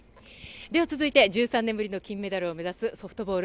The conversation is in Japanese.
続いて１３年ぶりの金メダルを目指すソフトボール。